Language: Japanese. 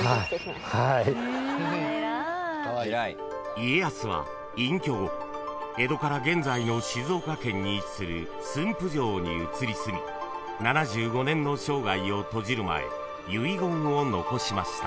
［家康は隠居後江戸から現在の静岡県に位置する駿府城に移り住み７５年の生涯を閉じる前遺言を残しました］